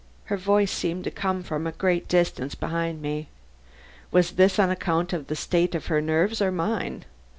Her voice seemed to come from a great distance behind me. Was this on account of the state of her nerves or mine?